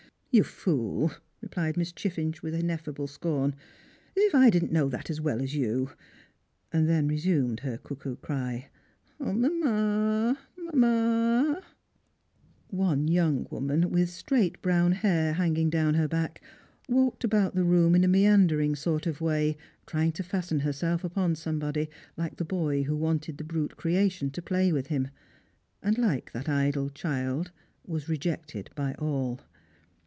" You fool !" repHed Miss Chiffinch, with ineffable scorn, " as if I didn't know that as well as you." And then resumed her cuckoo cry, " 0, mamma, mamma! " One young woman, with straight brown hair hanging down her back, walked about the room in a meandering sort of way, trying to fasten herself upon somebody, like the boy who wa.nted the brute creation to play with him ; and, like that idle child, was rejected by all.